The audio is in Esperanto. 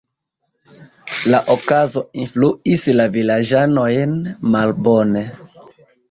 La okazo influis la vilaĝanojn malbone.